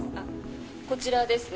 こちらですね。